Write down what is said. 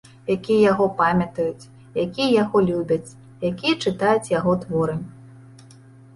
Якія яго памятаюць, якія яго любяць, якія чытаюць яго творы.